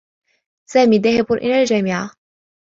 سامي ذاهب إلى الجامعة.